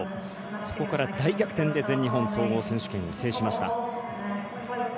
そこから大逆転で全日本総合選手権を制しました。